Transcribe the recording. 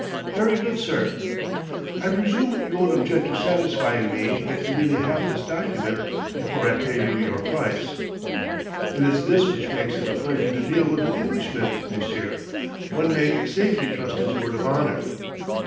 "Very good, sir." "I presume you won't object to satisfying me that you really have this document, before I pay you your price." "It is this which makes it a pleasure to deal with an Englishman, monsieur: one may safely trust his word of honour."